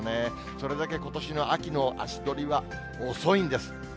それだけことしの秋の足取りは遅いんです。